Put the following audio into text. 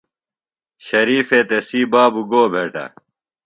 ݨ شریفے تسی بابوۡ گو بھٹہ؟